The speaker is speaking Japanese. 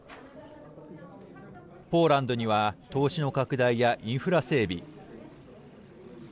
ポーランドには投資の拡大やインフラ整備。